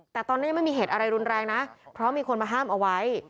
แต่ตอนนี้ยังไม่มีเหตุอะไรรุนแรงนะเพราะมีคนมาห้ามเอาไว้